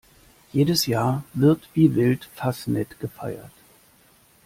Jedes Jahr wird wie wild Fasnet gefeiert.